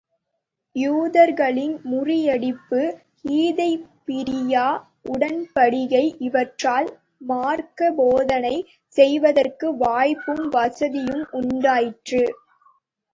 யூதர்களின் முறியடிப்பு, ஹுதைபிய்யா உடன்படிக்கை இவற்றால் மார்க்கப் போதனை செய்வதற்கு வாய்ப்பும் வசதியும் உண்டாயிற்று.